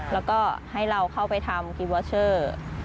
แล้วก็ให้เราเข้าไปทำกิวอเชอร์